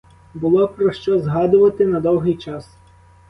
Було про що згадувати на довгий час!